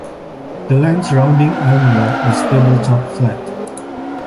The land surrounding Elmore is tabletop flat.